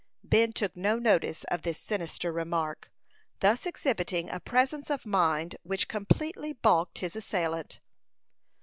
Ben took no notice of this sinister remark, thus exhibiting a presence of mind which completely balked his assailant.